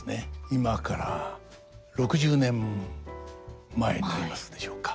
今から６０年前になりますでしょうか。